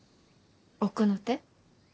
奥の手？